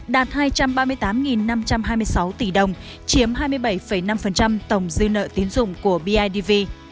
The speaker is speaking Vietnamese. đạt hai trăm ba mươi tám năm trăm hai mươi sáu tỷ đồng chiếm hai mươi bảy năm tổng dư nợ tiến dụng của bidv